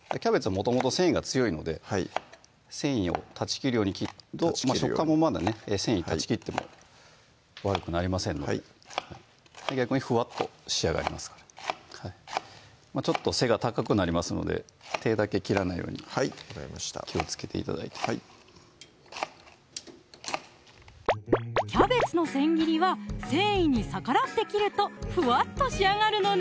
もともと繊維が強いので繊維を断ち切るように切ると食感もまだね繊維断ち切っても悪くなりませんので逆にふわっと仕上がりますからちょっと背が高くなりますので手だけ切らないようにはい分かりました気をつけて頂いてキャベツの千切りは繊維に逆らって切るとふわっと仕上がるのね！